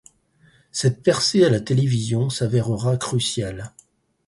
Cette percée à la télévision s'avèrera cruciale.